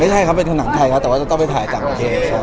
ครับเป็นหนังไทยครับแต่ว่าจะต้องไปถ่ายจากประเทศ